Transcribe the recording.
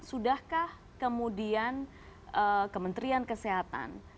sudahkah kemudian kementerian kesehatan